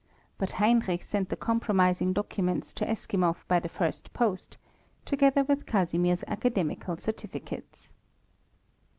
But Heinrich sent the compromising documents to Eskimov by the first post, together with Casimir's academical certificates.